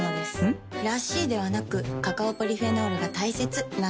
ん？らしいではなくカカオポリフェノールが大切なんです。